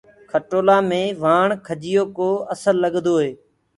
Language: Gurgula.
کٽولآ مي وآڻ کجيو ڪو اسل لگدو هي۔